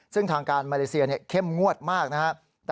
ซึ่งทางการมาเลเซียเข้มงวดมากนะครับ